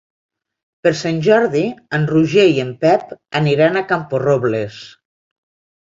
Per Sant Jordi en Roger i en Pep aniran a Camporrobles.